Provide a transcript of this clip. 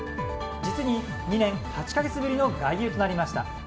実に２年８か月ぶりの外遊となりました。